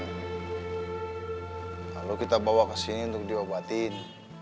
lalu kita bawa kesini untuk diobatin